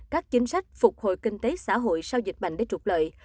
các chính sách phục hồi kinh tế xã hội sau dịch bệnh để trục lợi